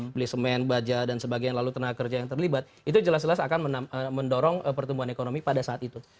beli semen baja dan sebagian lalu tenaga kerja yang terlibat itu jelas jelas akan mendorong pertumbuhan ekonomi pada saat itu